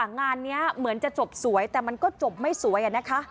งานนี้เหมือนจะจบสวยแต่มันก็จบไม่สวยอะนะคะ